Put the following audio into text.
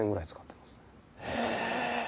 へえ。